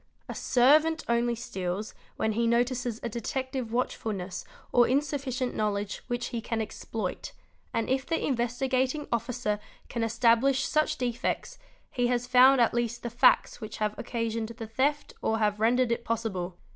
A servant only steals when he notices a detective watchfulness or insufficient knowledge which he can exploit, and if the Investigating Officer can establish such defects he has found at least the facts which have occasioned the theft or have rendered it possible.